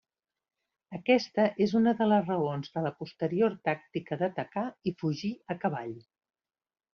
Aquesta és una de les raons de la posterior tàctica d'atacar i fugir a cavall.